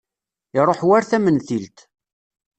Iruḥ war tamentilt.